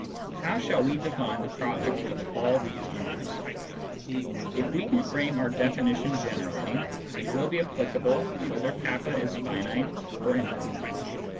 How shall we define the product of all these numbers ? If we can frame our definition generally, it will be applicable whether k is finite or infinite.